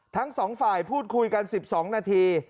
ทั้งสองฝ่ายพูดคุยกัน๑๒นาที